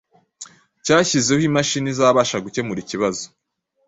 cyashyizeho imashini izabasha gukemura ikibazo